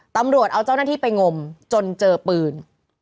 ตำรวจเอาเจ้าหน้าที่ไปงมจนเจอปืน